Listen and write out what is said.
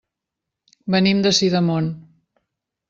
Venim de Sidamon.